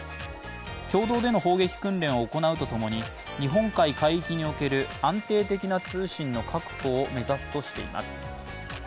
共同での砲撃訓練を行うと共に日本海海域における安定的な通信の確保を目指すとしています。